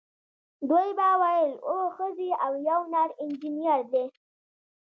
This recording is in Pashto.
دوی به ویل اوه ښځې او یو نر انجینر دی.